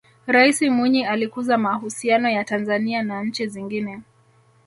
raisi mwinyi alikuza mahusiano ya tanzania na nchi zingine